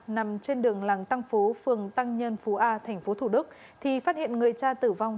nằm trên đường làng tăng phú phường tăng nhân phú a tp hcm thì phát hiện người cha tử vong